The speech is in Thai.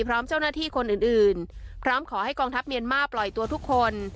พร้อมขอให้กองทัพเมียนมาร์ปล่อยตัวทุกคน